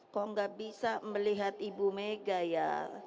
kok gak bisa melihat ibu mega ya